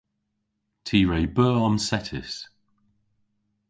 Ty re beu omsettys.